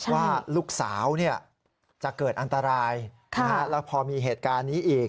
ว่าลูกสาวจะเกิดอันตรายแล้วพอมีเหตุการณ์นี้อีก